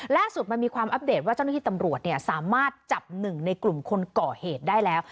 ล่าสุดมันมีความอัปเดตว่าเจ้าหน้าที่ตำรวจสามารถจับหนึ่งในกลุ่มคนก่อเหตุได้แล้ว